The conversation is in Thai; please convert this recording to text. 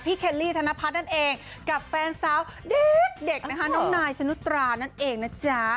เคลลี่ธนพัฒน์นั่นเองกับแฟนสาวเด็กนะคะน้องนายชนุตรานั่นเองนะจ๊ะ